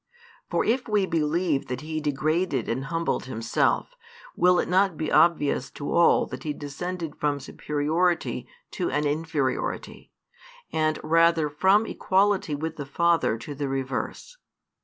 For if we believe |349 that He degraded and humbled Himself, will it not be obvious to all that He descended from superiority to an inferiority, and rather from equality with the Father to the reverse.